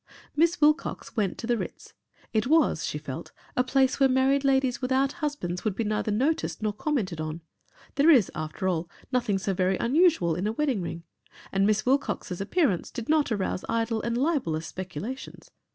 Miss Wilcox went to the Ritz. It was, she felt, a place where married ladies without husbands would be neither noticed nor commented on. There is, after all, nothing so very unusual in a wedding ring and Miss Wilcox's appearance did not arouse idle and libelous speculations.